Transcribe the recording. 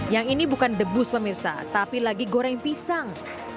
yang ini bukan debus pemirsa tapi lagi goreng pisang